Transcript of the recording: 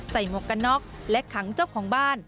หมวกกันน็อกและขังเจ้าของบ้าน